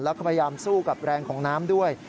แล้วก็พยายามสู้กับแรงของน้ำด้วย